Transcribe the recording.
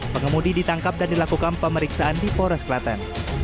pengemudi ditangkap dan dilakukan pemeriksaan di perambanan kelaten